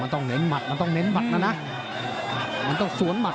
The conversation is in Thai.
ต้องเน้นหมัดมันต้องเน้นหมัดแล้วนะมันต้องสวนหมัด